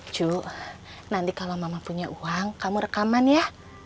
cuk nanti kalau mama punya uang kamu rekaman ya